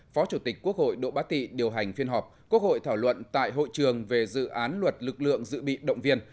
phó chủ tịch quốc hội đỗ bá tị điều hành phiên họp quốc hội thảo luận tại hội trường về dự án luật lực lượng dự bị động viên